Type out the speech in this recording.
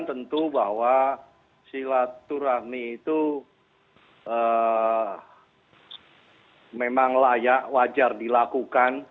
tentu bahwa silaturahmi itu memang layak wajar dilakukan